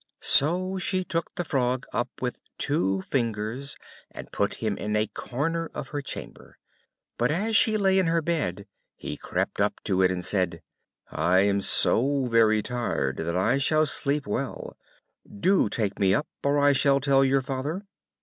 So she took the Frog up with two fingers, and put him in a corner of her chamber. But as she lay in her bed, he crept up to it, and said, "I am so very tired that I shall sleep well; do take me up or I will tell thy father."